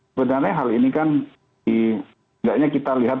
sebenarnya hal ini kan tidaknya kita lihat